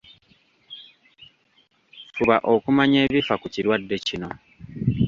Fuba okumanya ebifa ku kirwadde kino.